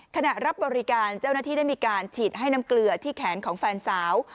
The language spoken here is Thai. ขณะรับบริการเจ้าหน้าที่ได้มีการฉีดให้น้ำเกลือที่แขนของแฟนสาว